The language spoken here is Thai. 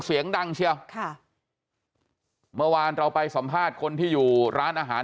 เสียงดังเชียวค่ะเมื่อวานเราไปสัมภาษณ์คนที่อยู่ร้านอาหาร